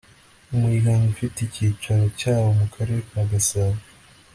umuryango ufite icyicaro cyawo mu karere ka gasabo